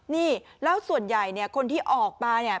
นี่แล้วส่วนใหญ่เนี่ยคนที่ออกมาเนี่ย